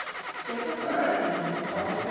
優しい、確かにちょっと。